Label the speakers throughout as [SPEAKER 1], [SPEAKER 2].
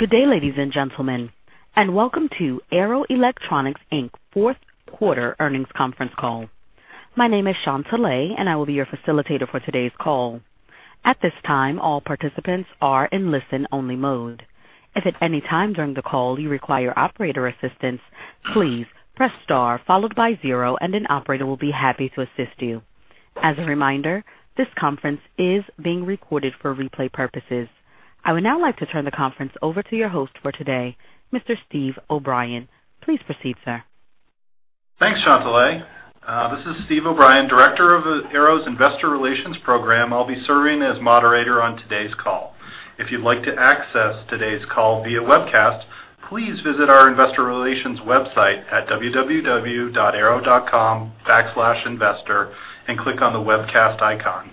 [SPEAKER 1] Good day, ladies and gentlemen, and welcome to Arrow Electronics Inc.'s Fourth Quarter Earnings Conference Call. My name is Shantelle, and I will be your facilitator for today's call. At this time, all participants are in listen-only mode. If at any time during the call you require operator assistance, please press star followed by zero, and an operator will be happy to assist you. As a reminder, this conference is being recorded for replay purposes. I would now like to turn the conference over to your host for today, Mr. Steve O'Brien. Please proceed, sir.
[SPEAKER 2] Thanks, Shantelle. This is Steve O'Brien, Director of Arrow's Investor Relations Program. I'll be serving as moderator on today's call. If you'd like to access today's call via webcast, please visit our investor relations website at www.arrow.com/investor and click on the Webcast icon.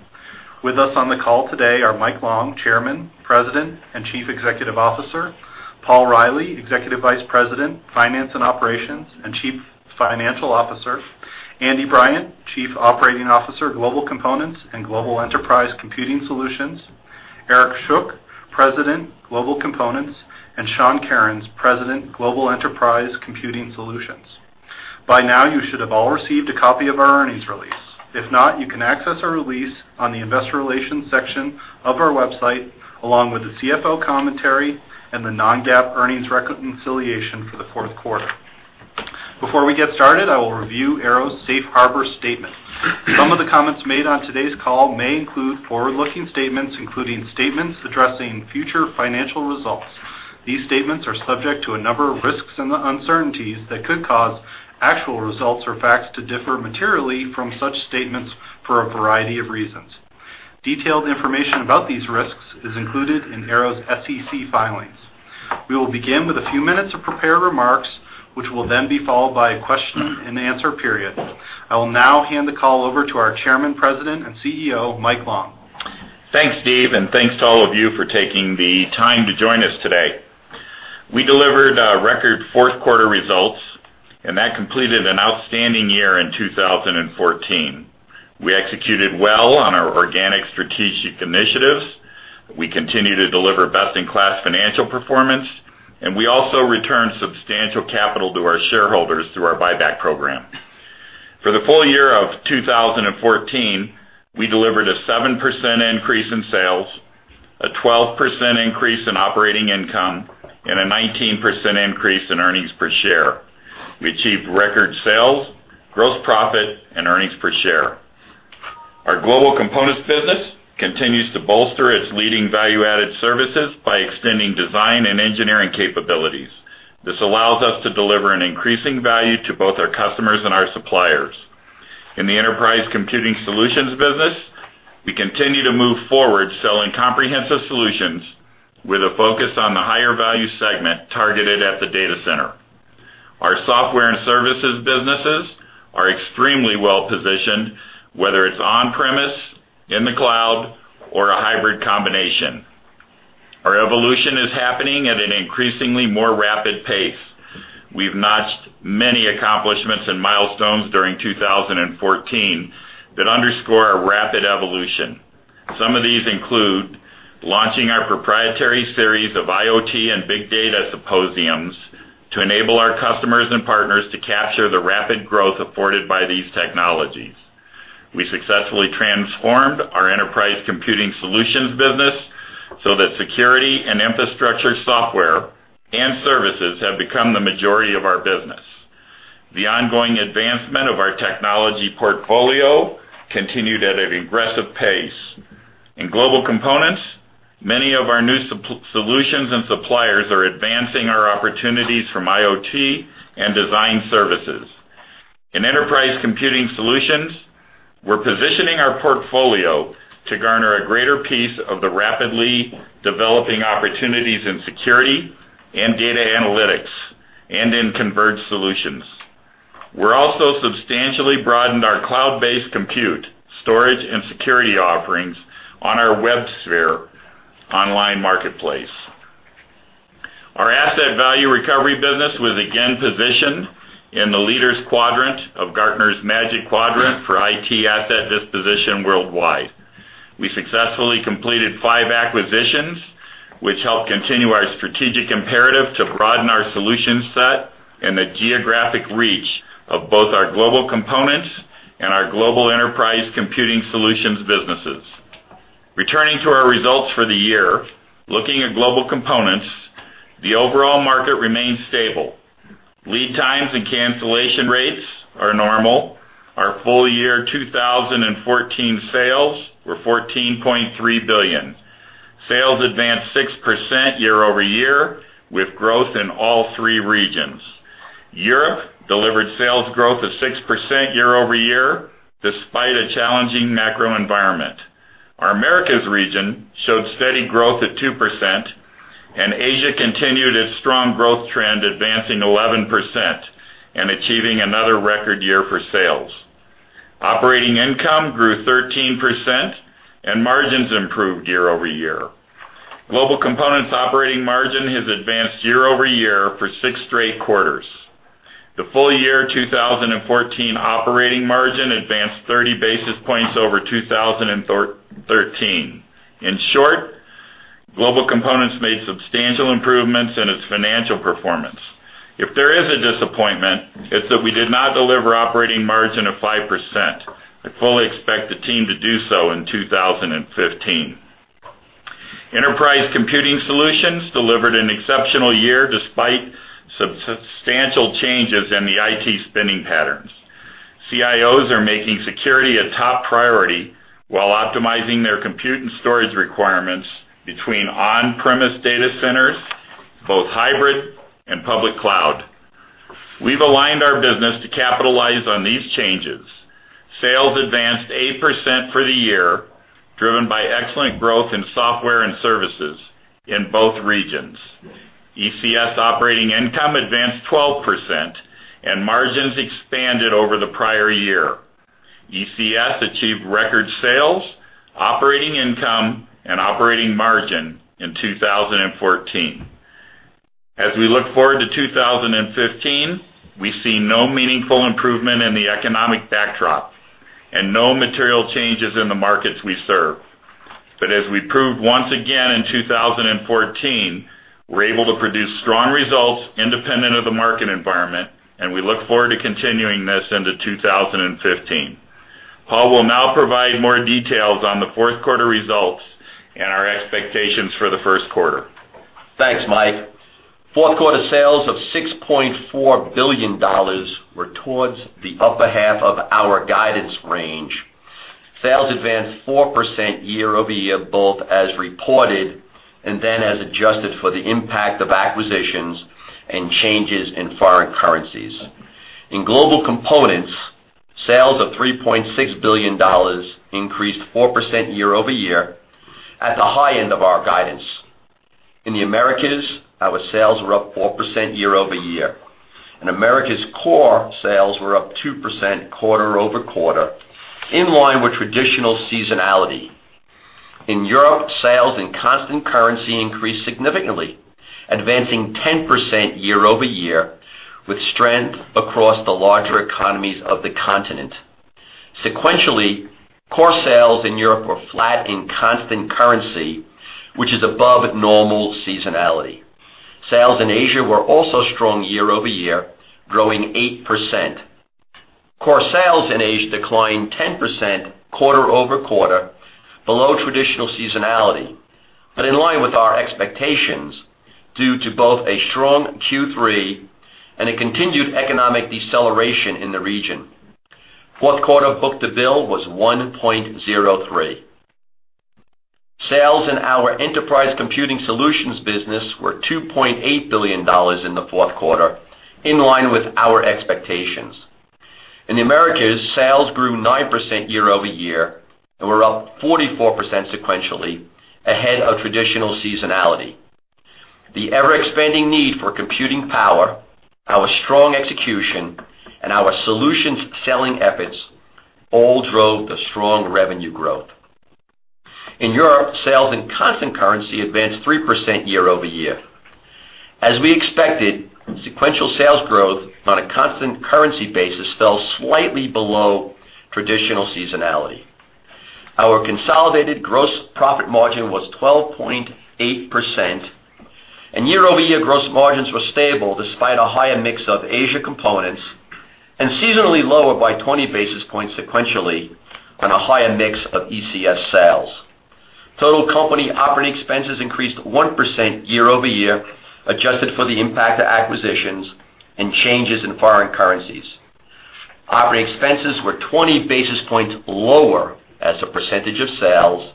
[SPEAKER 2] With us on the call today are Mike Long, Chairman, President, and Chief Executive Officer, Paul Reilly, Executive Vice President, Finance and Operations, and Chief Financial Officer, Andy Bryant, Chief Operating Officer, Global Components and Global Enterprise Computing Solutions, Eric Schuck, President, Global Components, and Sean Kerins, President, Global Enterprise Computing Solutions. By now, you should have all received a copy of our earnings release. If not, you can access our release on the investor relations section of our website, along with the CFO commentary and the non-GAAP earnings reconciliation for the fourth quarter. Before we get started, I will review Arrow's safe harbor statement. Some of the comments made on today's call may include forward-looking statements, including statements addressing future financial results. These statements are subject to a number of risks and uncertainties that could cause actual results or facts to differ materially from such statements for a variety of reasons. Detailed information about these risks is included in Arrow's SEC filings. We will begin with a few minutes of prepared remarks, which will then be followed by a question-and-answer period. I will now hand the call over to our Chairman, President, and CEO, Mike Long.
[SPEAKER 3] Thanks, Steve, and thanks to all of you for taking the time to join us today. We delivered record fourth quarter results, and that completed an outstanding year in 2014. We executed well on our organic strategic initiatives, we continue to deliver best-in-class financial performance, and we also returned substantial capital to our shareholders through our buyback program. For the full year of 2014, we delivered a 7% increase in sales, a 12% increase in operating income, and a 19% increase in earnings per share. We achieved record sales, gross profit, and earnings per share. Our Global Components business continues to bolster its leading value-added services by extending design and engineering capabilities. This allows us to deliver an increasing value to both our customers and our suppliers. In the Enterprise Computing Solutions business, we continue to move forward, selling comprehensive solutions with a focus on the higher value segment targeted at the data center. Our software and services businesses are extremely well-positioned, whether it's on-premise, in the cloud, or a hybrid combination. Our evolution is happening at an increasingly more rapid pace. We've notched many accomplishments and milestones during 2014 that underscore our rapid evolution. Some of these include launching our proprietary series of IoT and big data symposiums to enable our customers and partners to capture the rapid growth afforded by these technologies. We successfully transformed our enterprise computing solutions business so that security and infrastructure, software, and services have become the majority of our business. The ongoing advancement of our technology portfolio continued at an aggressive pace. In Global Components, many of our new solutions and suppliers are advancing our opportunities from IoT and design services. In Enterprise Computing Solutions, we're positioning our portfolio to garner a greater piece of the rapidly developing opportunities in security and data analytics and in converged solutions. We're also substantially broadened our cloud-based compute, storage, and security offerings on our WebSphere online marketplace. Our Asset Value Recovery business was again positioned in the leaders quadrant of Gartner's Magic Quadrant for IT asset disposition worldwide. We successfully completed five acquisitions, which helped continue our strategic imperative to broaden our solution set and the geographic reach of both our Global Components and our Global Enterprise Computing Solutions businesses. Returning to our results for the year, looking at Global Components, the overall market remains stable. Lead times and cancellation rates are normal. Our full year 2014 sales were $14.3 billion. Sales advanced 6% year-over-year, with growth in all three regions. Europe delivered sales growth of 6% year-over-year, despite a challenging macro environment. Our Americas region showed steady growth at 2%, and Asia continued its strong growth trend, advancing 11% and achieving another record year for sales. Operating income grew 13%, and margins improved year-over-year. Global Components' operating margin has advanced year-over-year for six straight quarters. The full year 2014 operating margin advanced 30 basis points over 2013. In short, Global Components made substantial improvements in its financial performance. If there is a disappointment, it's that we did not deliver operating margin of 5%. I fully expect the team to do so in 2015. Enterprise Computing Solutions delivered an exceptional year despite substantial changes in the IT spending patterns. CIOs are making security a top priority while optimizing their compute and storage requirements between on-premise data centers, both hybrid and public cloud. We've aligned our business to capitalize on these changes. Sales advanced 8% for the year, driven by excellent growth in software and services in both regions. ECS operating income advanced 12%, and margins expanded over the prior year. ECS achieved record sales, operating income, and operating margin in 2014. As we look forward to 2015, we see no meaningful improvement in the economic backdrop and no material changes in the markets we serve. But as we proved once again in 2014, we're able to produce strong results independent of the market environment, and we look forward to continuing this into 2015. Paul will now provide more details on the fourth quarter results and our expectations for the first quarter.
[SPEAKER 4] Thanks, Mike. Fourth quarter sales of $6.4 billion were towards the upper half of our guidance range. Sales advanced 4% year-over-year, both as reported and then as adjusted for the impact of acquisitions and changes in foreign currencies. In Global Components, sales of $3.6 billion increased 4% year-over-year at the high end of our guidance. In the Americas, our sales were up 4% year-over-year, and Americas core sales were up 2% quarter-over-quarter, in line with traditional seasonality. In Europe, sales in constant currency increased significantly, advancing 10% year-over-year, with strength across the larger economies of the continent. Sequentially, core sales in Europe were flat in constant currency, which is above normal seasonality. Sales in Asia were also strong year-over-year, growing 8%. Core sales in Asia declined 10% quarter-over-quarter, below traditional seasonality, but in line with our expectations, due to both a strong Q3 and a continued economic deceleration in the region. Fourth quarter book-to-bill was 1.03%. Sales in our Enterprise Computing Solutions business were $2.8 billion in the fourth quarter, in line with our expectations. In the Americas, sales grew 9% year-over-year and were up 44% sequentially, ahead of traditional seasonality. The ever-expanding need for computing power, our strong execution, and our solutions selling efforts all drove the strong revenue growth. In Europe, sales in constant currency advanced 3% year-over-year. As we expected, sequential sales growth on a constant currency basis fell slightly below traditional seasonality. Our consolidated gross profit margin was 12.8%, and year-over-year gross margins were stable despite a higher mix of Asia components, and seasonally lower by 20 basis points sequentially on a higher mix of ECS sales. Total company operating expenses increased 1% year over year, adjusted for the impact of acquisitions and changes in foreign currencies. Operating expenses were 20 basis points lower as a percentage of sales,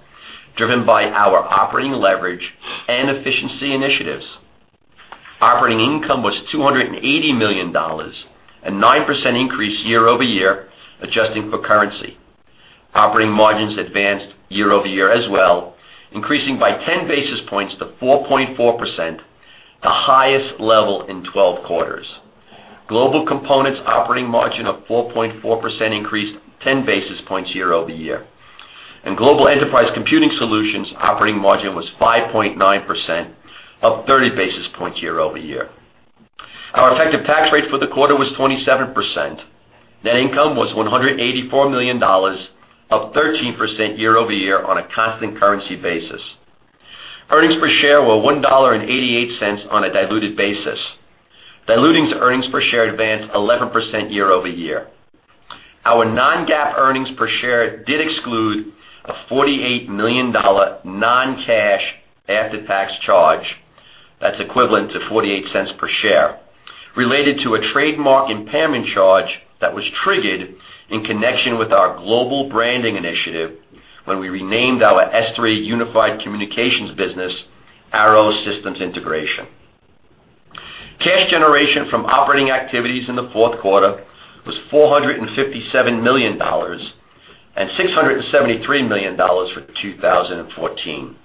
[SPEAKER 4] driven by our operating leverage and efficiency initiatives. Operating income was $280 million, a 9% increase year over year, adjusting for currency. Operating margins advanced year over year as well, increasing by 10 basis points to 4.4%, the highest level in 12 quarters. Global Components operating margin of 4.4% increased 10 basis points year-over-year, and Global Enterprise Computing Solutions operating margin was 5.9%, up 30 basis points year-over-year. Our effective tax rate for the quarter was 27%. Net income was $184 million, up 13% year-over-year on a constant currency basis. Earnings per share were $1.88 on a diluted basis. Diluted earnings per share advanced 11% year-over-year. Our non-GAAP earnings per share did exclude a $48 million non-cash after-tax charge, that's equivalent to $0.48 per share, related to a trademark impairment charge that was triggered in connection with our global branding initiative when we renamed our S3 Unified Communications business Arrow Systems Integration. Cash generation from operating activities in the fourth quarter was $457 million, and $673 million for 2014.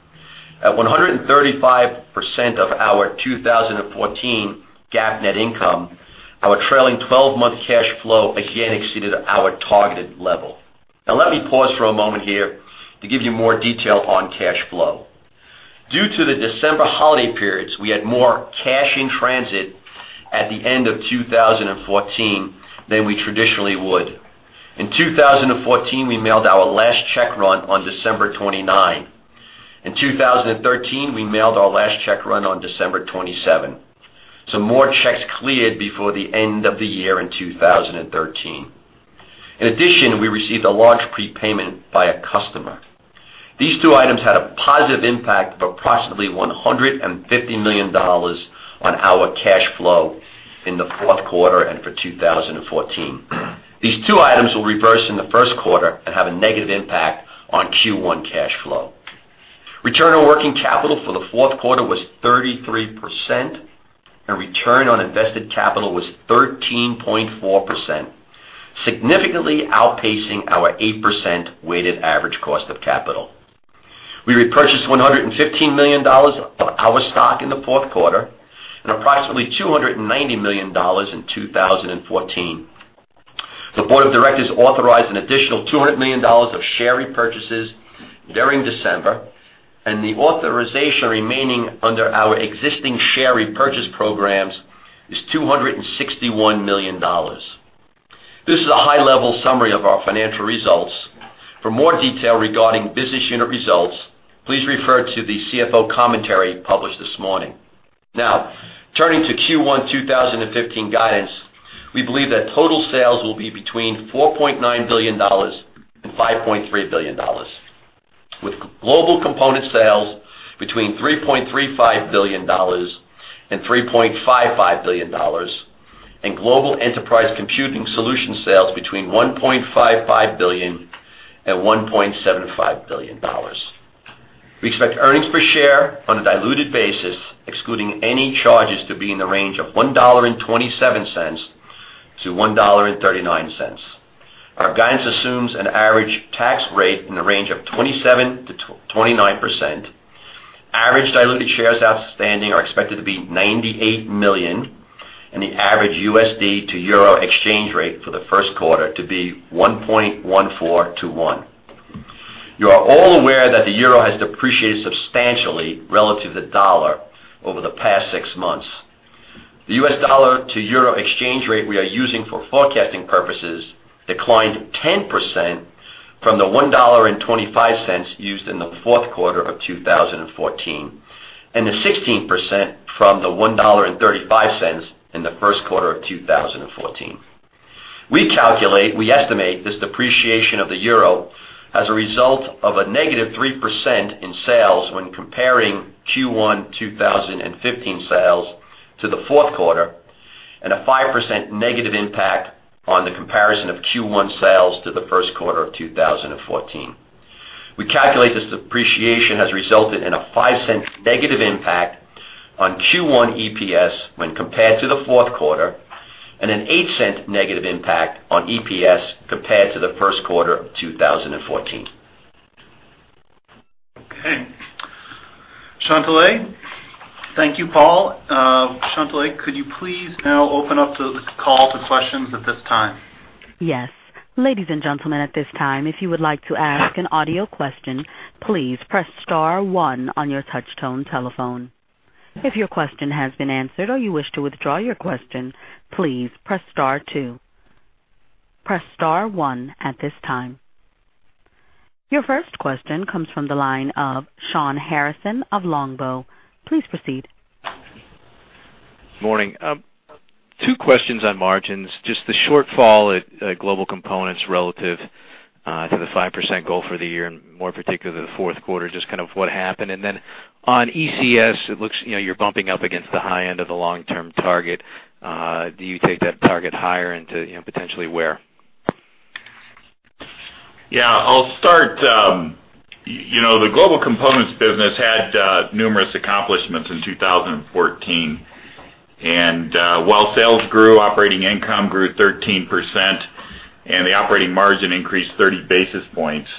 [SPEAKER 4] At 135% of our 2014 GAAP net income, our trailing twelve-month cash flow again exceeded our targeted level. Now, let me pause for a moment here to give you more detail on cash flow. Due to the December holiday periods, we had more cash in transit at the end of 2014 than we traditionally would. In 2014, we mailed our last check run on December 29. In 2013, we mailed our last check run on December 27, so more checks cleared before the end of the year in 2013. In addition, we received a large prepayment by a customer. These two items had a positive impact of approximately $150 million on our cash flow in the fourth quarter and for 2014. These two items will reverse in the first quarter and have a negative impact on Q1 cash flow. Return on working capital for the fourth quarter was 33%, and return on invested capital was 13.4%, significantly outpacing our 8% weighted average cost of capital. We repurchased $115 million of our stock in the fourth quarter and approximately $290 million in 2014. The board of directors authorized an additional $200 million of share repurchases during December, and the authorization remaining under our existing share repurchase programs is $261 million. This is a high-level summary of our financial results. For more detail regarding business unit results, please refer to the CFO commentary published this morning. Now, turning to Q1 2015 guidance, we believe that total sales will be between $4.9 billion and $5.3 billion, with Global Component sales between $3.35 billion and $3.55 billion, and Global Enterprise Computing Solutions sales between $1.55 billion and $1.75 billion. We expect earnings per share on a diluted basis, excluding any charges, to be in the range of $1.27-$1.39. Our guidance assumes an average tax rate in the range of 27%-29%. Average diluted shares outstanding are expected to be 98 million, and the average USD to euro exchange rate for the first quarter to be 1.1421%. You are all aware that the euro has depreciated substantially relative to the dollar over the past six months. The US dollar to euro exchange rate we are using for forecasting purposes declined 10% from the $1.25 used in the fourth quarter of 2014, and 16% from the $1.35 in the first quarter of 2014. We calculate, we estimate this depreciation of the euro as a result of a -3% in sales when comparing Q1 2015 sales to the fourth quarter, and a 5% negative impact on the comparison of Q1 sales to the first quarter of 2014. We calculate this depreciation has resulted in a -$0.05 negative impact on Q1 EPS when compared to the fourth quarter, and a -$0.08 negative impact on EPS compared to the first quarter of 2014.
[SPEAKER 3] Okay, Shantelle? Thank you, Paul. Shantelle, could you please now open up the call to questions at this time?
[SPEAKER 1] Yes. Ladies and gentlemen, at this time, if you would like to ask an audio question, please press star one on your touchtone telephone. If your question has been answered or you wish to withdraw your question, please press star two. Press star one at this time. Your first question comes from the line of Shawn Harrison of Longbow. Please proceed.
[SPEAKER 5] Morning. Two questions on margins. Just the shortfall at global components relative to the 5% goal for the year and more particularly, the fourth quarter, just kind of what happened. And then on ECS, it looks, you know, you're bumping up against the high end of the long-term target. Do you take that target higher into, you know, potentially where?
[SPEAKER 3] Yeah, I'll start. You know, the global components business had numerous accomplishments in 2014. And while sales grew, operating income grew 13%, and the operating margin increased 30 basis points.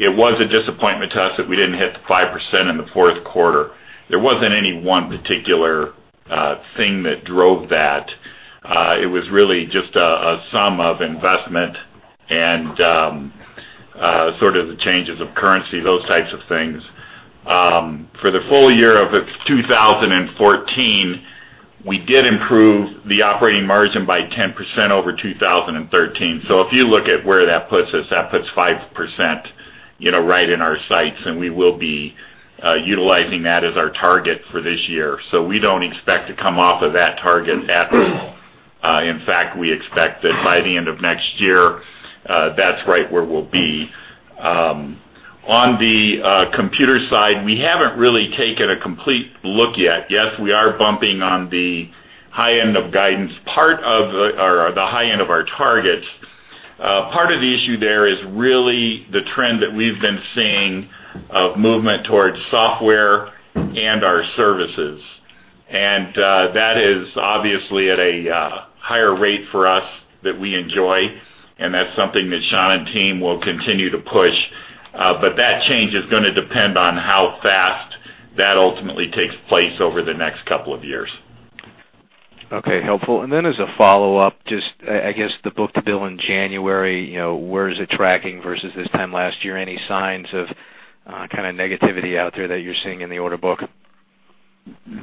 [SPEAKER 3] It was a disappointment to us that we didn't hit the 5% in the fourth quarter. There wasn't any one particular thing that drove that. It was really just a sum of investment and sort of the changes of currency, those types of things. For the full year of its 2014, we did improve the operating margin by 10% over 2013. So if you look at where that puts us, that puts 5%, you know, right in our sights, and we will be utilizing that as our target for this year. So we don't expect to come off of that target at all. In fact, we expect that by the end of next year, that's right where we'll be. On the computer side, we haven't really taken a complete look yet. Yes, we are bumping on the high end of guidance, part of the or the high end of our targets. Part of the issue there is really the trend that we've been seeing of movement towards software and our services. And that is obviously at a higher rate for us that we enjoy, and that's something that Sean and team will continue to push. But that change is gonna depend on how fast that ultimately takes place over the next couple of years.
[SPEAKER 5] Okay, helpful. And then as a follow-up, just, I guess, the book-to-bill in January, you know, where is it tracking versus this time last year? Any signs of, kind of negativity out there that you're seeing in the order book?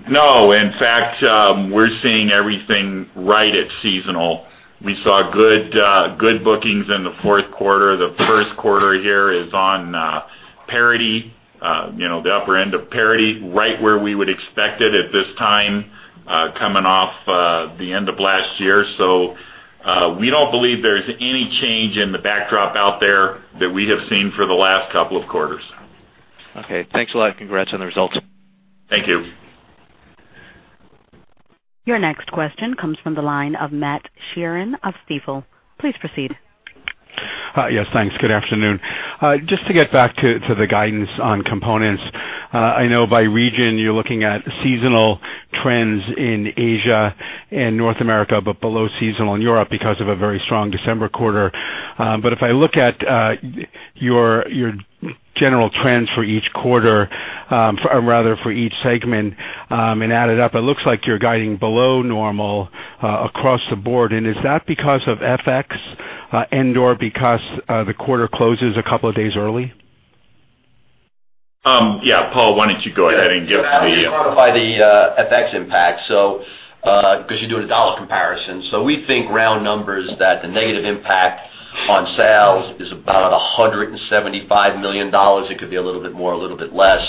[SPEAKER 3] No. In fact, we're seeing everything right at seasonal. We saw good, good bookings in the fourth quarter. The first quarter here is on, parity, you know, the upper end of parity, right where we would expect it at this time, coming off, the end of last year. So, we don't believe there's any change in the backdrop out there that we have seen for the last couple of quarters.
[SPEAKER 5] Okay, thanks a lot. Congrats on the results.
[SPEAKER 3] Thank you.
[SPEAKER 1] Your next question comes from the line of Matt Sheerin of Stifel. Please proceed.
[SPEAKER 6] Hi, yes, thanks. Good afternoon. Just to get back to the guidance on components. I know by region, you're looking at seasonal trends in Asia and North America, but below seasonal in Europe because of a very strong December quarter. But if I look at your general trends for each quarter, or rather for each segment, and add it up, it looks like you're guiding below normal across the board. And is that because of FX, and/or because the quarter closes a couple of days early?
[SPEAKER 3] Yeah, Paul, why don't you go ahead and give him the-
[SPEAKER 4] Yeah, I'll clarify the FX impact, so 'cause you're doing a dollar comparison. So we think round numbers, that the negative impact on sales is about $175 million. It could be a little bit more, a little bit less.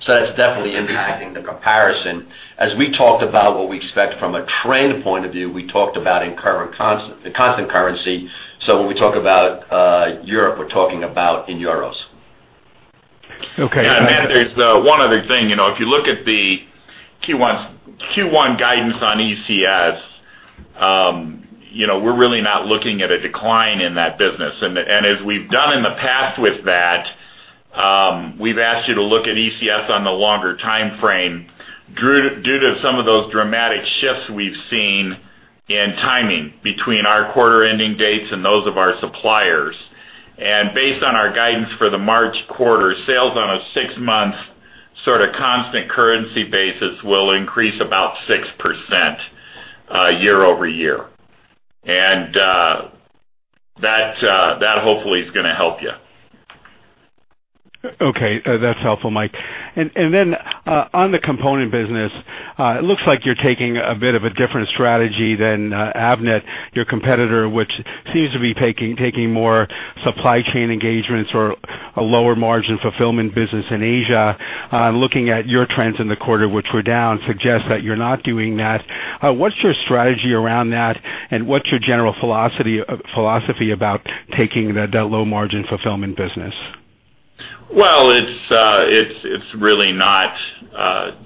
[SPEAKER 4] So that's definitely impacting the comparison. As we talked about what we expect from a trend point of view, we talked about in current constant currency. So when we talk about Europe, we're talking about in euros.
[SPEAKER 6] Okay.
[SPEAKER 3] And Matt, there's one other thing, you know, if you look at the Q1 guidance on ECS, you know, we're really not looking at a decline in that business. And as we've done in the past with that, we've asked you to look at ECS on the longer timeframe, due to some of those dramatic shifts we've seen in timing between our quarter ending dates and those of our suppliers. And based on our guidance for the March quarter, sales on a six-month sort of constant currency basis will increase about 6%, year-over-year. And that hopefully is gonna help you.
[SPEAKER 6] Okay. That's helpful, Mike. And then, on the component business, it looks like you're taking a bit of a different strategy than Avnet, your competitor, which seems to be taking more supply chain engagements or a lower margin fulfillment business in Asia. Looking at your trends in the quarter, which were down, suggests that you're not doing that. What's your strategy around that, and what's your general philosophy about taking the low-margin fulfillment business?
[SPEAKER 3] Well, it's really not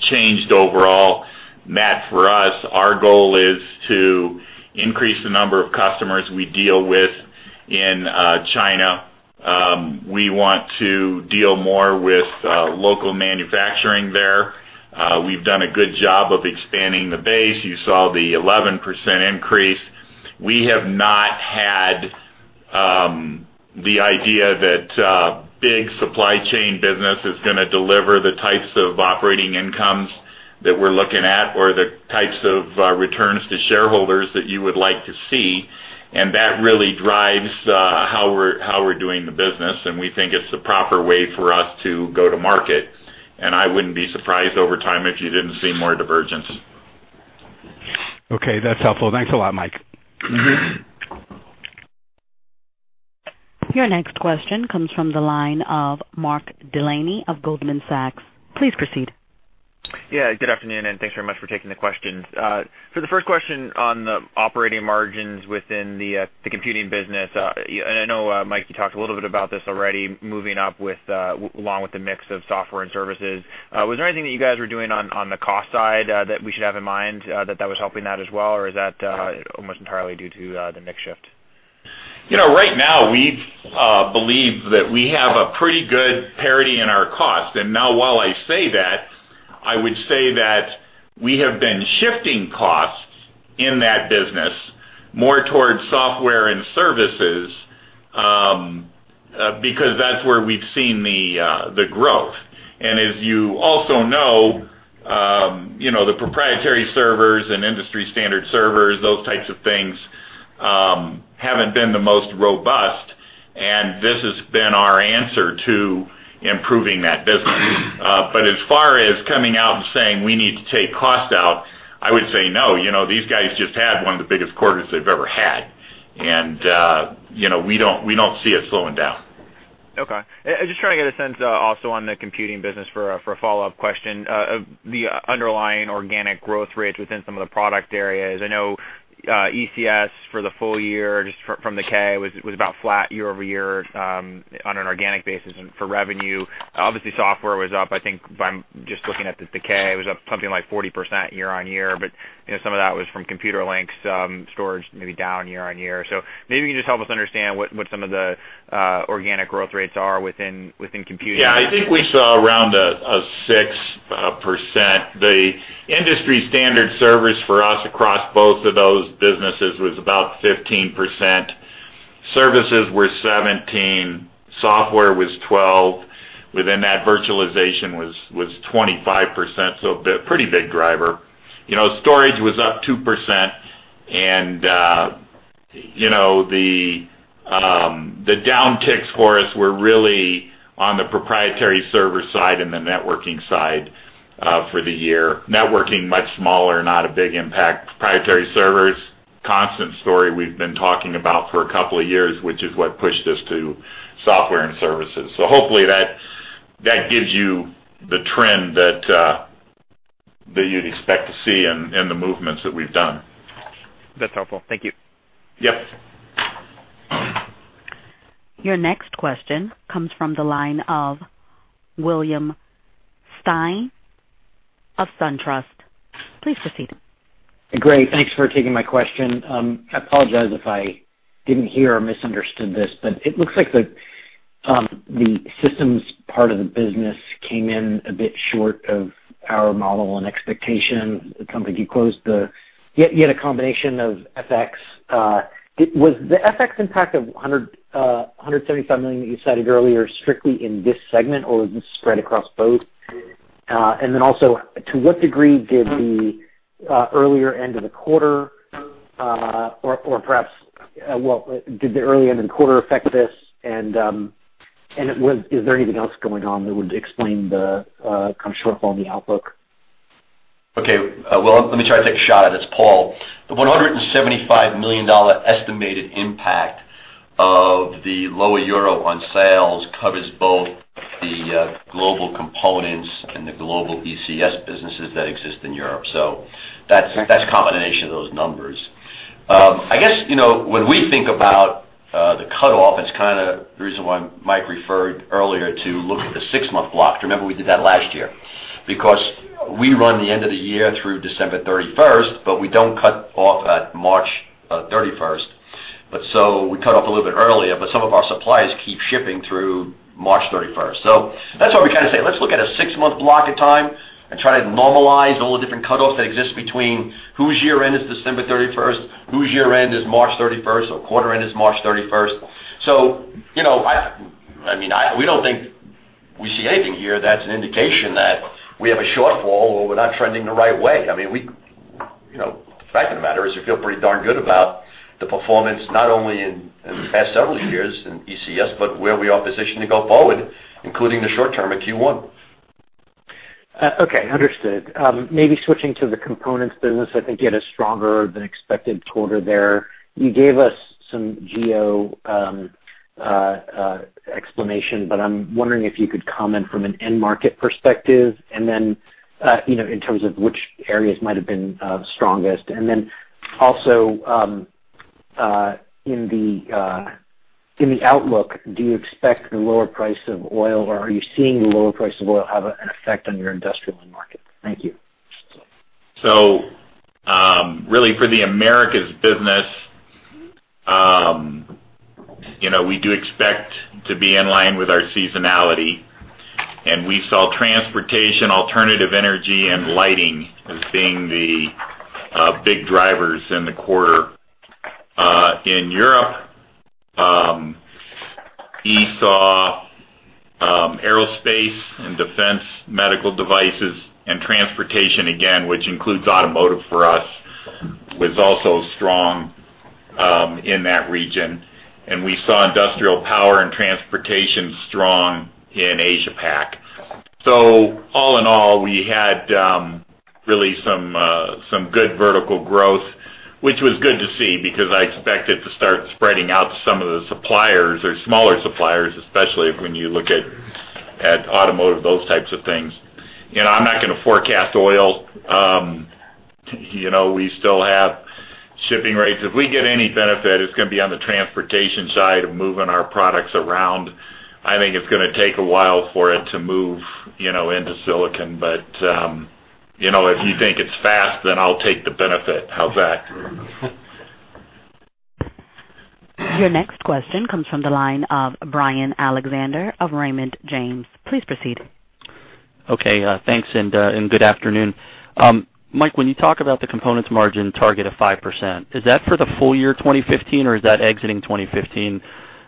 [SPEAKER 3] changed overall, Matt, for us. Our goal is to increase the number of customers we deal with in China. We want to deal more with local manufacturing there. We've done a good job of expanding the base. You saw the 11% increase. We have not had the idea that big supply chain business is gonna deliver the types of operating incomes that we're looking at or the types of returns to shareholders that you would like to see, and that really drives how we're doing the business, and we think it's the proper way for us to go to market. And I wouldn't be surprised over time if you didn't see more divergence.
[SPEAKER 6] Okay, that's helpful. Thanks a lot, Mike.
[SPEAKER 1] Your next question comes from the line of Mark Delaney of Goldman Sachs. Please proceed.
[SPEAKER 7] Yeah, good afternoon, and thanks very much for taking the questions. So the first question on the operating margins within the computing business, and I know, Mike, you talked a little bit about this already, moving up with along with the mix of software and services. Was there anything that you guys were doing on the cost side that we should have in mind, that was helping that as well, or is that almost entirely due to the mix shift?
[SPEAKER 3] You know, right now, we believe that we have a pretty good parity in our cost. And now, while I say that, I would say that we have been shifting costs in that business more towards software and services, because that's where we've seen the the growth. And as you also know, you know, the proprietary servers and industry standard servers, those types of things, haven't been the most robust, and this has been our answer to improving that business. But as far as coming out and saying we need to take costs out, I would say no. You know, these guys just had one of the biggest quarters they've ever had, and, you know, we don't, we don't see it slowing down.
[SPEAKER 7] Okay. Just trying to get a sense, also on the computing business for a follow-up question, of the underlying organic growth rates within some of the product areas. I know, ECS for the full year, just from the K, was about flat year-over-year, on an organic basis. And for revenue, obviously, software was up. I think if I'm just looking at the K, it was up something like 40% year-on-year, but you know, some of that was from Computerlinks, storage, maybe down year-on-year. So maybe you can just help us understand what some of the organic growth rates are within computing.
[SPEAKER 3] Yeah, I think we saw around a 6%. The industry standard servers for us across both of those businesses was about 15%. Services were 17%, software was 12%. Within that, virtualization was 25%, so a pretty big driver. You know, storage was up 2%. And you know, the downticks for us were really on the proprietary server side and the networking side for the year. Networking, much smaller, not a big impact. Proprietary servers, constant story we've been talking about for a couple of years, which is what pushed us to software and services. So hopefully that gives you the trend that you'd expect to see in the movements that we've done.
[SPEAKER 7] That's helpful. Thank you.
[SPEAKER 3] Yep.
[SPEAKER 1] Your next question comes from the line of William Stein of SunTrust. Please proceed.
[SPEAKER 8] Great, thanks for taking my question. I apologize if I didn't hear or misunderstood this, but it looks like the systems part of the business came in a bit short of our model and expectation. You had a combination of FX. Was the FX impact of $175 million that you cited earlier strictly in this segment, or is this spread across both? And then also, to what degree did the earlier end of the quarter, or perhaps, well, did the early end of the quarter affect this? And is there anything else going on that would explain the Q4 shortfall in the outlook?
[SPEAKER 3] Okay, well, let me try to take a shot at this, Paul. The $175 million estimated impact of the lower euro on sales covers both the Global Components and the Global ECS businesses that exist in Europe. So that's, that's a combination of those numbers. I guess, you know, when we think about the cutoff, it's kind of the reason why Mike referred earlier to look at the 6-month block. Remember, we did that last year. Because we run the end of the year through December 31st, but we don't cut off at March 31st. But so we cut off a little bit earlier, but some of our suppliers keep shipping through March 31st. So that's why we kind of say, let's look at a six-month block of time and try to normalize all the different cutoffs that exist between whose year end is December 31st, whose year end is March 31st or quarter end is March 31st. So, you know, I mean, we don't think we see anything here that's an indication that we have a shortfall or we're not trending the right way. I mean, we, you know, the fact of the matter is, we feel pretty darn good about the performance, not only in the past several years in ECS, but where we are positioned to go forward, including the short term in Q1.
[SPEAKER 8] Okay, understood. Maybe switching to the components business, I think you had a stronger than expected quarter there. You gave us some geo explanation, but I'm wondering if you could comment from an end market perspective, and then, you know, in terms of which areas might have been strongest. And then also, in the outlook, do you expect the lower price of oil, or are you seeing the lower price of oil have an effect on your industrial end market? Thank you.
[SPEAKER 3] So, really, for the Americas business, you know, we do expect to be in line with our seasonality, and we saw transportation, alternative energy, and lighting as being the big drivers in the quarter. In Europe, we saw aerospace and defense, medical devices, and transportation, again, which includes automotive for us, was also strong in that region. And we saw industrial power and transportation strong in Asia PAC. So all in all, we had really some some good vertical growth, which was good to see because I expect it to start spreading out to some of the suppliers or smaller suppliers, especially when you look at automotive, those types of things. You know, I'm not gonna forecast oil. ou know, we still have shipping rates. If we get any benefit, it's gonna be on the transportation side of moving our products around. I think it's gonna take a while for it to move, you know, into silicon. But, you know, if you think it's fast, then I'll take the benefit. How's that?
[SPEAKER 1] Your next question comes from the line of Brian Alexander of Raymond James. Please proceed.
[SPEAKER 9] Okay, thanks and good afternoon. Mike, when you talk about the components margin target of 5%, is that for the full year 2015, or is that exiting 2015?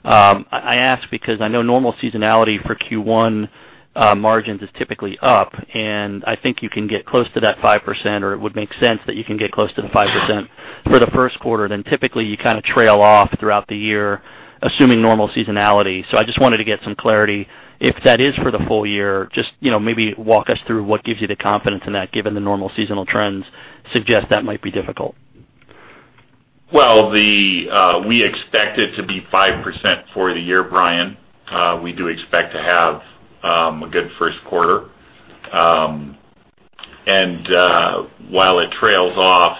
[SPEAKER 9] I ask because I know normal seasonality for Q1 margins is typically up, and I think you can get close to that 5%, or it would make sense that you can get close to the 5% for the first quarter. Then typically, you kind of trail off throughout the year, assuming normal seasonality. So I just wanted to get some clarity, if that is for the full year, just, you know, maybe walk us through what gives you the confidence in that, given the normal seasonal trends suggest that might be difficult.
[SPEAKER 3] Well, we expect it to be 5% for the year, Brian. We do expect to have a good first quarter. And, while it trails off,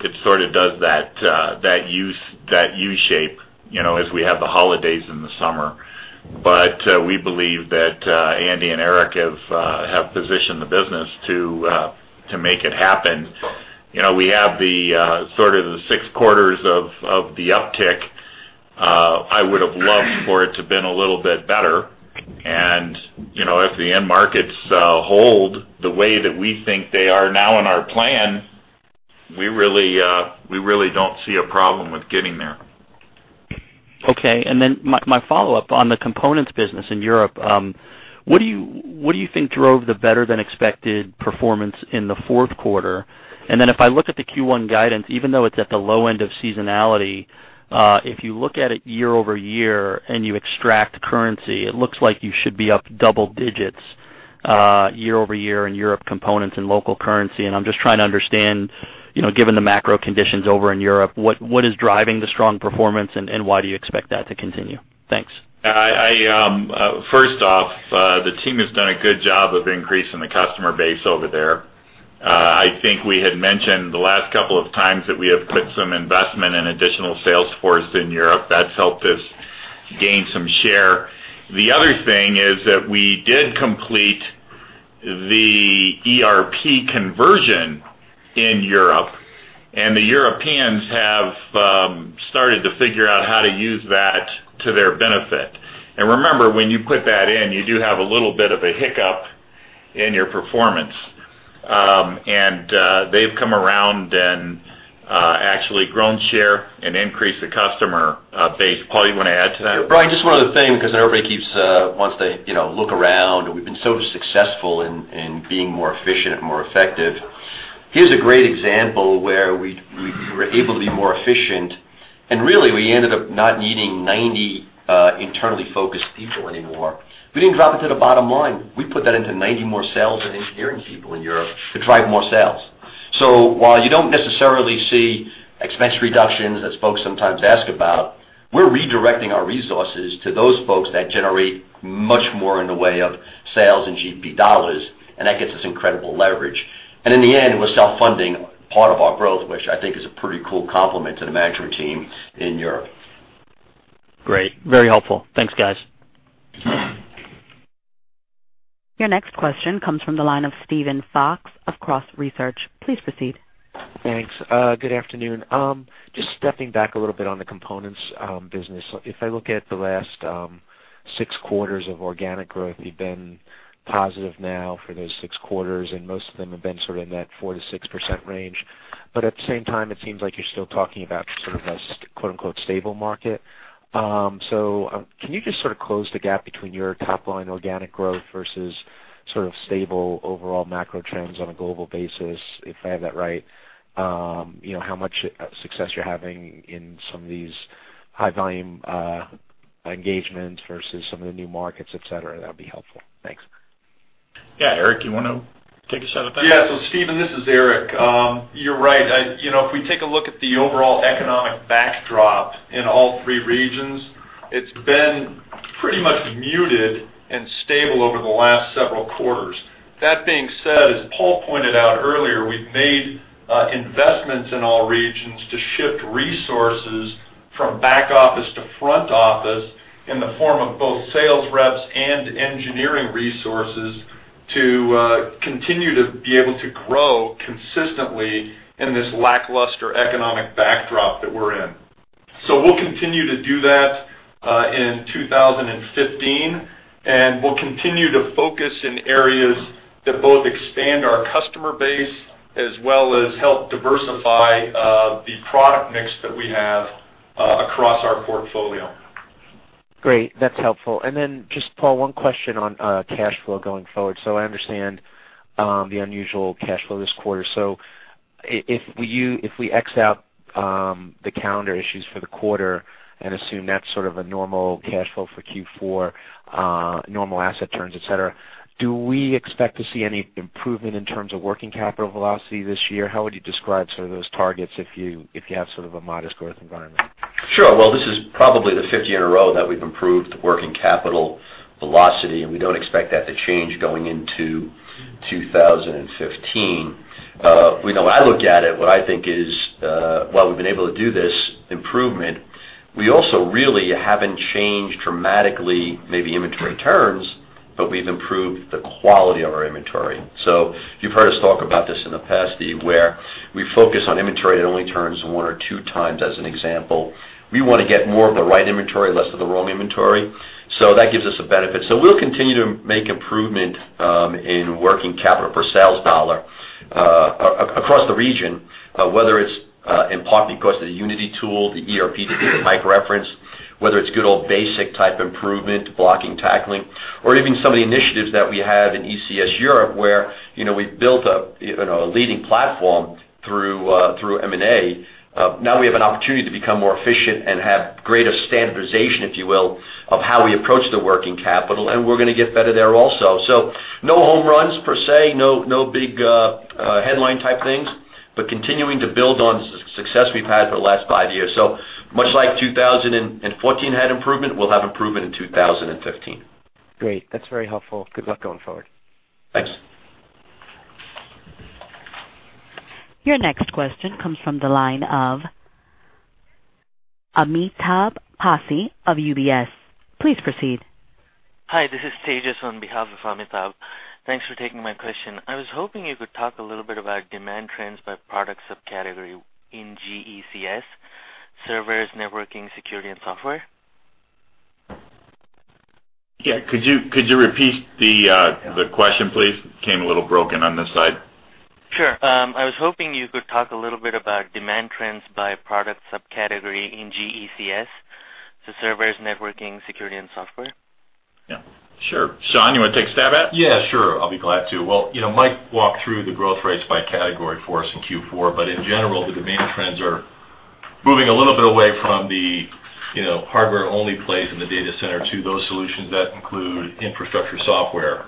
[SPEAKER 3] it sort of does that U, that U-shape, you know, as we have the holidays in the summer. But, we believe that Andy and Eric have positioned the business to make it happen. You know, we have the sort of the six quarters of the uptick. I would've loved for it to have been a little bit better. And, you know, if the end markets hold the way that we think they are now in our plan-we really, we really don't see a problem with getting there.
[SPEAKER 9] Okay, and then my follow-up on the components business in Europe, what do you think drove the better-than-expected performance in the fourth quarter? And then if I look at the Q1 guidance, even though it's at the low end of seasonality, if you look at it year-over-year and you extract currency, it looks like you should be up double digits, year-over-year in Europe components and local currency. And I'm just trying to understand, you know, given the macro conditions over in Europe, what is driving the strong performance, and why do you expect that to continue? Thanks.
[SPEAKER 3] I first off, the team has done a good job of increasing the customer base over there. I think we had mentioned the last couple of times that we have put some investment in additional sales force in Europe. That's helped us gain some share. The other thing is that we did complete the ERP conversion in Europe, and the Europeans have started to figure out how to use that to their benefit. And remember, when you put that in, you do have a little bit of a hiccup in your performance. And they've come around and actually grown share and increased the customer base. Paul, you want to add to that?
[SPEAKER 4] Brian, just one other thing, because everybody keeps, wants to, you know, look around, and we've been so successful in, in being more efficient and more effective. Here's a great example where we, we were able to be more efficient, and really, we ended up not needing 90 internally focused people anymore. We didn't drop it to the bottom line. We put that into 90 more sales and engineering people in Europe to drive more sales. So while you don't necessarily see expense reductions, as folks sometimes ask about, we're redirecting our resources to those folks that generate much more in the way of sales and GP dollars, and that gets us incredible leverage. And in the end, it was self-funding part of our growth, which I think is a pretty cool compliment to the management team in Europe.
[SPEAKER 9] Great. Very helpful. Thanks, guys.
[SPEAKER 1] Your next question comes from the line of Steven Fox of Cross Research. Please proceed.
[SPEAKER 10] Thanks. Good afternoon. Just stepping back a little bit on the components business. If I look at the last six quarters of organic growth, you've been positive now for those six quarters, and most of them have been sort of in that 4%-6% range. But at the same time, it seems like you're still talking about sort of a, quote, unquote, "stable market." So, can you just sort of close the gap between your top line organic growth versus sort of stable overall macro trends on a global basis, if I have that right? You know, how much success you're having in some of these high volume engagements versus some of the new markets, et cetera? That'd be helpful. Thanks.
[SPEAKER 3] Yeah. Eric, you want to take a shot at that?
[SPEAKER 11] Yeah. So, Steven, this is Eric. You're right. I, you know, if we take a look at the overall economic backdrop in all three regions, it's been pretty much muted and stable over the last several quarters. That being said, as Paul pointed out earlier, we've made investments in all regions to shift resources from back office to front office in the form of both sales reps and engineering resources, to continue to be able to grow consistently in this lackluster economic backdrop that we're in. So we'll continue to do that in 2015, and we'll continue to focus in areas that both expand our customer base as well as help diversify the product mix that we have across our portfolio.
[SPEAKER 10] Great. That's helpful. And then just, Paul, one question on cash flow going forward. So I understand the unusual cash flow this quarter. So if we X out the calendar issues for the quarter and assume that's sort of a normal cash flow for Q4, normal asset turns, et cetera, do we expect to see any improvement in terms of working capital velocity this year? How would you describe sort of those targets, if you have sort of a modest growth environment?
[SPEAKER 4] Sure. Well, this is probably the fifth year in a row that we've improved working capital velocity, and we don't expect that to change going into 2015. When I look at it, what I think is, while we've been able to do this improvement, we also really haven't changed dramatically, maybe inventory turns, but we've improved the quality of our inventory. So you've heard us talk about this in the past, Steve, where we focus on inventory that only turns one or two times, as an example. We want to get more of the right inventory, less of the wrong inventory. So that gives us a benefit. So we'll continue to make improvement in working capital per sales dollar across the region, whether it's in part because of the Unity tool, the ERP that Mike referenced, whether it's good old basic type improvement, blocking, tackling, or even some of the initiatives that we have in ECS Europe, where, you know, we've built a, you know, a leading platform through through M&A. Now we have an opportunity to become more efficient and have greater standardization, if you will, of how we approach the working capital, and we're going to get better there also. So no home runs per se, no, no big headline type things, but continuing to build on success we've had for the last five years. So much like 2014 had improvement, we'll have improvement in 2015.
[SPEAKER 10] Great. That's very helpful. Good luck going forward.
[SPEAKER 4] Thanks.
[SPEAKER 1] Your next question comes from the line of Amitabh Passi of UBS. Please proceed.
[SPEAKER 12] Hi, this is Tejas on behalf of Amitabh. Thanks for taking my question. I was hoping you could talk a little bit about demand trends by product subcategory in GECS, servers, networking, security, and software?
[SPEAKER 3] Yeah, could you, could you repeat the question, please? It came a little broken on this side.
[SPEAKER 12] Sure. I was hoping you could talk a little bit about demand trends by product subcategory in GECS, so servers, networking, security, and software.
[SPEAKER 3] Yeah, sure. Sean, you want to take a stab at it?
[SPEAKER 13] Yeah, sure. I'll be glad to. Well, you know, Mike walked through the growth rates by category for us in Q4, but in general, the demand trends are moving a little bit away from the, you know, hardware-only place in the data center to those solutions that include infrastructure software,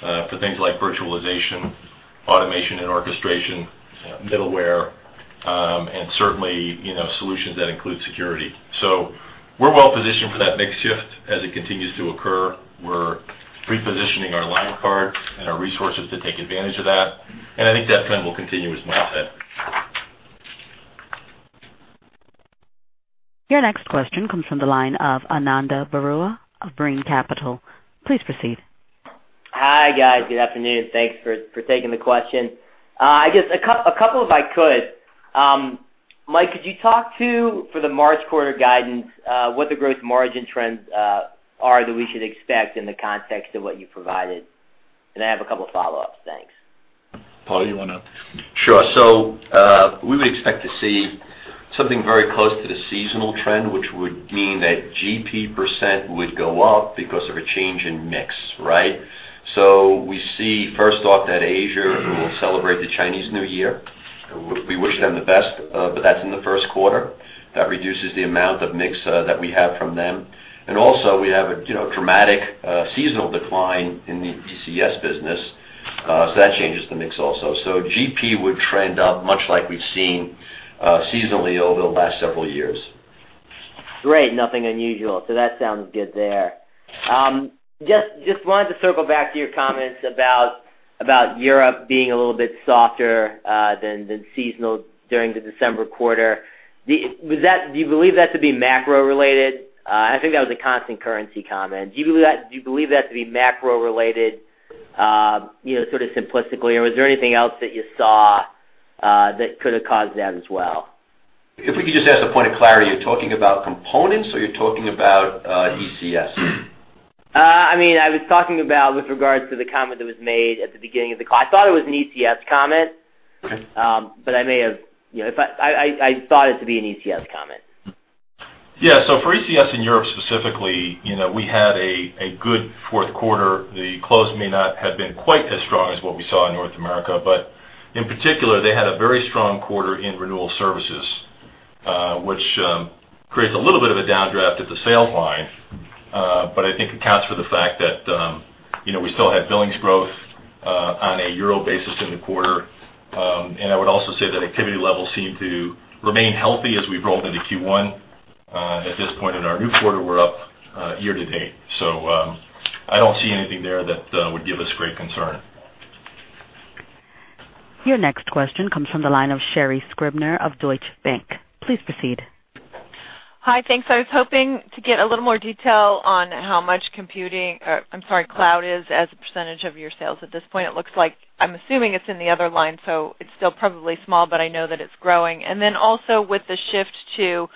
[SPEAKER 13] for things like virtualization, automation and orchestration, middleware, and certainly, you know, solutions that include security. So we're well positioned for that mix shift as it continues to occur. We're repositioning our line cards and our resources to take advantage of that, and I think that trend will continue, as Mike said.
[SPEAKER 1] Your next question comes from the line of Ananda Baruah of Brean Capital. Please proceed.
[SPEAKER 14] Hi, guys. Good afternoon. Thanks for taking the question. I guess a couple, if I could. Mike, could you talk to for the March quarter guidance what the growth margin trends are that we should expect in the context of what you provided? And I have a couple of follow-ups. Thanks.
[SPEAKER 3] Paul, you want to-
[SPEAKER 13] Sure. So, we would expect to see something very close to the seasonal trend, which would mean that GP% would go up because of a change in mix, right? So we see, first off, that Asia will celebrate the Chinese New Year. We, we wish them the best, but that's in the first quarter. That reduces the amount of mix that we have from them. And also, we have a, you know, dramatic seasonal decline in the ECS business, so that changes the mix also. So GP would trend up, much like we've seen, seasonally over the last several years.
[SPEAKER 14] Great! Nothing unusual. So that sounds good there. Just, just wanted to circle back to your comments about, about Europe being a little bit softer, than, than seasonal during the December quarter. Was that? Do you believe that to be macro-related? I think that was a constant currency comment. Do you believe that, do you believe that to be macro-related, you know, sort of simplistically, or was there anything else that you saw, that could have caused that as well?
[SPEAKER 13] If we could just ask a point of clarity, you're talking about components, or you're talking about ECS?
[SPEAKER 14] I mean, I was talking about with regards to the comment that was made at the beginning of the call. I thought it was an ECS comment, but I may have, you know, if I thought it to be an ECS comment.
[SPEAKER 4] Yeah. So for ECS in Europe, specifically, you know, we had a good fourth quarter. The close may not have been quite as strong as what we saw in North America, but in particular, they had a very strong quarter in renewal services, which creates a little bit of a downdraft at the sales line, but I think accounts for the fact that, you know, we still had billings growth, on a year-old basis in the quarter. And I would also say that activity levels seem to remain healthy as we've rolled into Q1. At this point in our new quarter, we're up, year to date. So, I don't see anything there that would give us great concern.
[SPEAKER 1] Your next question comes from the line of Sherri Scribner of Deutsche Bank. Please proceed.
[SPEAKER 15] Hi, thanks. I was hoping to get a little more detail on how much computing, cloud is as a percentage of your sales. At this point, it looks like I'm assuming it's in the other line, so it's still probably small, but I know that it's growing. And then also, with the shift to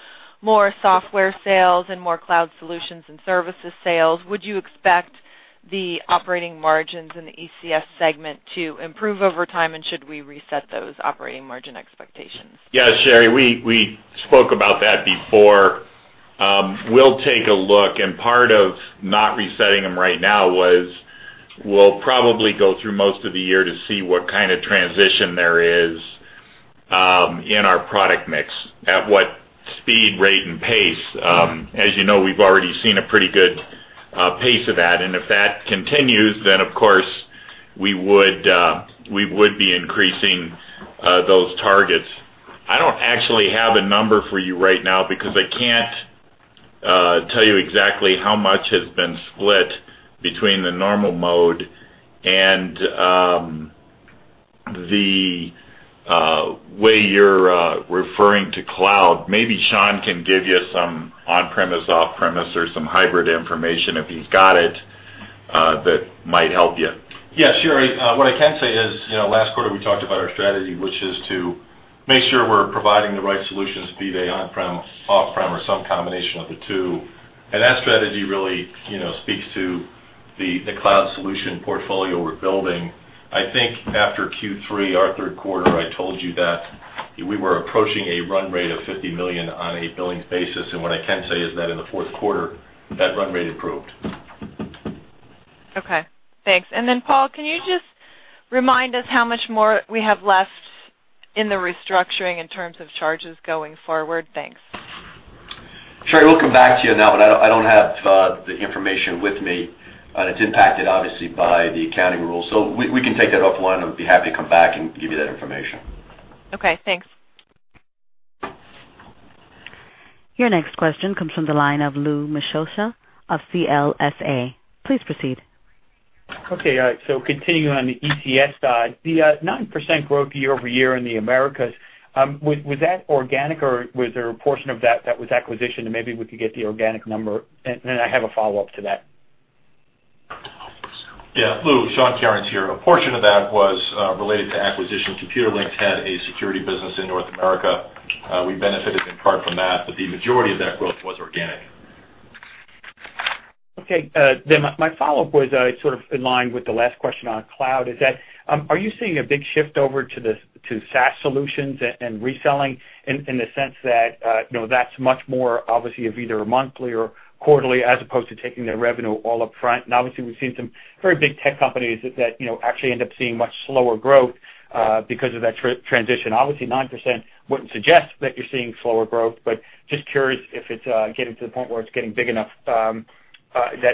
[SPEAKER 15] more software sales and more cloud solutions and services sales, would you expect the operating margins in the ECS segment to improve over time, and should we reset those operating margin expectations?
[SPEAKER 3] Yeah, Sherri, we, we spoke about that before. We'll take a look, and part of not resetting them right now was, we'll probably go through most of the year to see what kind of transition there is, in our product mix, at what speed, rate, and pace. As you know, we've already seen a pretty good, pace of that, and if that continues, then, of course, we would, we would be increasing, those targets. I don't actually have a number for you right now because I can't, tell you exactly how much has been split between the normal mode and, the, way you're, referring to cloud. Maybe Sean can give you some on-premise, off-premise, or some hybrid information, if he's got it, that might help you.
[SPEAKER 13] Yeah, sure. What I can say is, you know, last quarter, we talked about our strategy, which is to make sure we're providing the right solutions, be they on-prem, off-prem, or some combination of the two. And that strategy really, you know, speaks to the, the cloud solution portfolio we're building. I think after Q3, our third quarter, I told you that we were approaching a run rate of $50 million on a billings basis, and what I can say is that in the fourth quarter, that run rate improved.
[SPEAKER 15] Okay, thanks. Then, Paul, can you just remind us how much more we have left in the restructuring in terms of charges going forward? Thanks.
[SPEAKER 16] Sure, we'll come back to you on that, but I don't, I don't have the information with me. It's impacted obviously by the accounting rules, so we, we can take that offline. I'll be happy to come back and give you that information.
[SPEAKER 15] Okay, thanks.
[SPEAKER 1] Your next question comes from the line of Louis Miscioscia of CLSA. Please proceed.
[SPEAKER 17] Okay, so continuing on the ECS side, the 9% growth year-over-year in the Americas, was that organic, or was there a portion of that that was acquisition? And maybe we could get the organic number, and I have a follow-up to that.
[SPEAKER 13] Yeah, Lou, Sean Kerins here. A portion of that was related to acquisition. Computerlinks had a security business in North America. We benefited in part from that, but the majority of that growth was organic.
[SPEAKER 17] Okay, then my, my follow-up was, sort of in line with the last question on cloud. Is that, are you seeing a big shift over to the, to SaaS solutions and, and reselling in, in the sense that, you know, that's much more obviously of either a monthly or quarterly, as opposed to taking their revenue all upfront? And obviously, we've seen some very big tech companies that, that, you know, actually end up seeing much slower growth, because of that transition. Obviously, 9% wouldn't suggest that you're seeing slower growth, but just curious if it's, getting to the point where it's getting big enough, that,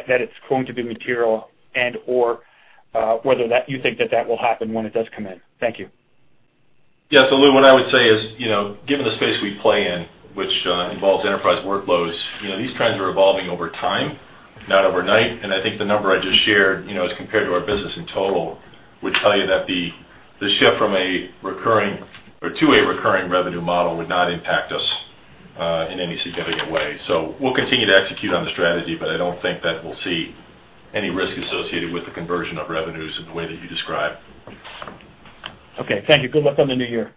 [SPEAKER 17] that it's going to be material and/or, whether that you think that that will happen when it does come in. Thank you.
[SPEAKER 13] Yeah. So, Lou, what I would say is, you know, given the space we play in, which, involves enterprise workloads, you know, these trends are evolving over time, not overnight. And I think the number I just shared, you know, as compared to our business in total, would tell you that the, the shift from a recurring or to a recurring revenue model would not impact us, in any significant way. So we'll continue to execute on the strategy, but I don't think that we'll see any risk associated with the conversion of revenues in the way that you described.
[SPEAKER 17] Okay, thank you. Good luck on the new year.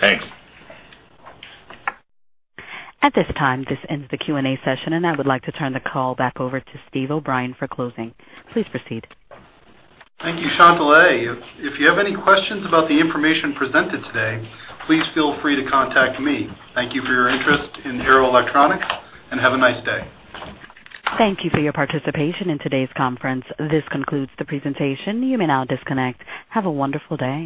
[SPEAKER 13] Thanks.
[SPEAKER 1] At this time, this ends the Q&A session, and I would like to turn the call back over to Steve O'Brien for closing. Please proceed.
[SPEAKER 3] Thank you, Shantelle. If you have any questions about the information presented today, please feel free to contact me. Thank you for your interest in Arrow Electronics, and have a nice day.
[SPEAKER 1] Thank you for your participation in today's conference. This concludes the presentation. You may now disconnect. Have a wonderful day.